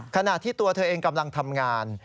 ขณะที่ตัวเธอเองกำลังทำงาน